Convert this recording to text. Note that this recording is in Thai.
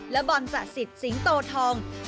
และบอลสะสิทธิ์สิงโตทอง